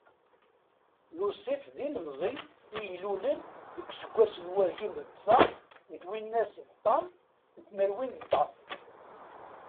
Lusif d ilemẓi i ilulen deg useggas n wagim d tẓa n twinas d ṭam n tmerwin d ṭam.